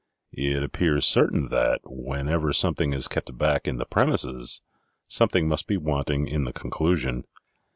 It appears certain that, whenever something is kept back in the premises, something must be wanting in the conclusion.